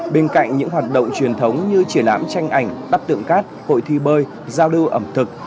bên cạnh những hoạt động truyền thống như triển ám tranh ảnh đắp tượng cát hội thi bơi giao đưa ẩm thực